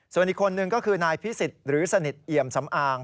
ส่วนอีกคนนึงก็คือนายพิสิทธิ์หรือสนิทเอี่ยมสำอาง